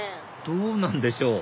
どうなんでしょう？